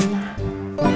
terima kasih bu